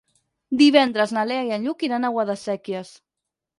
Divendres na Lea i en Lluc iran a Guadasséquies.